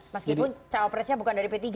meskipun cawapresnya bukan dari p tiga